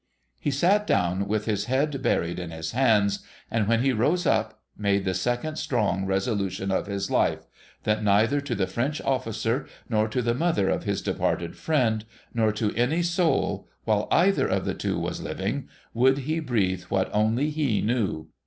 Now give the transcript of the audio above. ' He sat down, with his head buried in his hands, and, when he rose up, made the second strong resolution of his life, — that neither to the French officer, nor to the mother of his departed friend, nor 82 THE SEVEN POOR TRAVELLERS to any soul, while either of the two was living, would he breathe what only he knew.